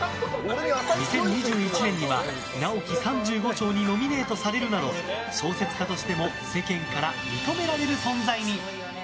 ２０２１年には直木三十五賞にノミネートされるなど小説家としても世間から認められる存在に。